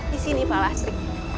disini pak lastri